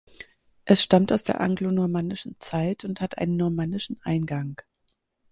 Es stammt aus der anglonormannischen Zeit und hat einen normannischen Eingang.